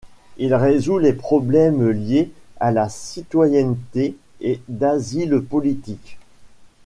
Il résout les problèmes liés à la citoyenneté et d'asile politique.